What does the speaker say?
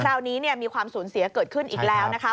คราวนี้มีความสูญเสียเกิดขึ้นอีกแล้วนะคะ